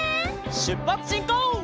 しゅっぱつしんこう！